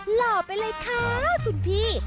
หล่อไปเลยค่ะคุณพี่